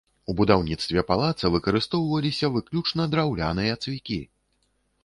У будаўніцтве палаца выкарыстоўваліся выключна драўляныя цвікі!